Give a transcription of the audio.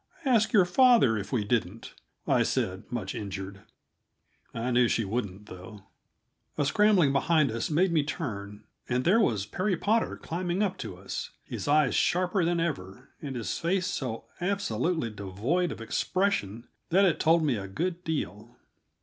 "Ask your father if we didn't," I said, much injured. I knew she wouldn't, though. A scrambling behind us made me turn, and there was Perry Potter climbing up to us, his eyes sharper than ever, and his face so absolutely devoid of expression that it told me a good deal.